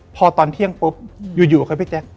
พอตอนเที่ยงปุ๊บอยู่เขาให้พี่แจ๊ก